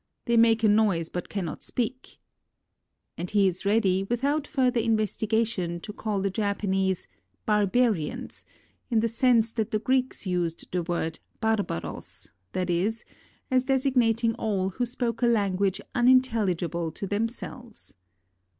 they make a noise but 447 JAPAN cannot speak"; and he is ready, without further inves tigation, to call the Japanese "barbarians," in the sense that the Greeks used the word barbaros, that is, as desig nating all who spoke a language uninteUigible to them selves.